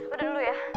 udah dulu ya